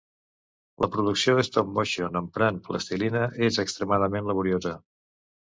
La producció de stop-motion emprant plastilina és extremadament laboriosa.